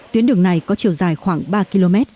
tuyến đường này có chiều dài khoảng ba km